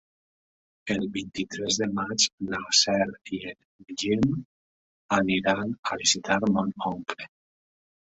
El vint-i-tres de maig na Cel i en Guim aniran a visitar mon oncle.